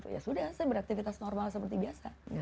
ya sudah saya beraktivitas normal seperti biasa